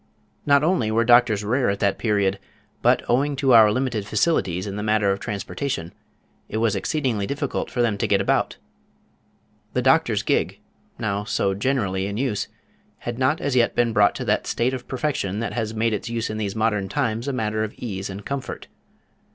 Not only were doctors rare at that period, but owing to our limited facilities in the matter of transportation, it was exceedingly difficult for them to get about. The doctor's gig, now so generally in use, had not as yet been brought to that state of perfection that has made its use in these modern times a matter of ease and comfort.